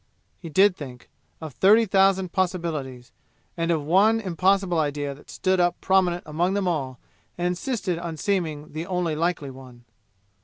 He did think, of thirty thousand possibilities, and of one impossible idea that stood up prominent among them all and insisted on seeming the only likely one.